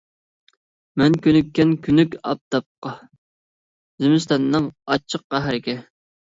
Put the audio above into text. مەن كۈنۈككەن كۆنۈك ئاپتاپقا، زىمىستاننىڭ ئاچچىق قەھرىگە.